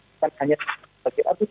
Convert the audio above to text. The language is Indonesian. bukan hanya sebagai atas